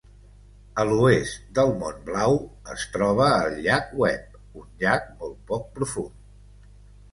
A l'oest del Mont Blau, es troba el llac Webb, un llac molt poc profund.